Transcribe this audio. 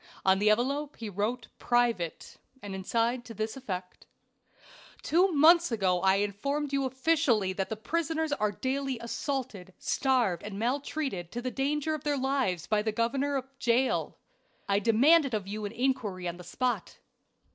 On the envelope he wrote "private," and inside to this effect: "Two months ago I informed you officially that prisoners are daily assaulted, starved, and maltreated to the danger of their lives by the governor of Jail. I demanded of you an inquiry on the spot.